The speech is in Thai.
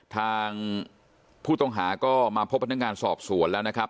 ทางผู้ต้องหาก็มาพบพนักงานสอบสวนแล้วนะครับ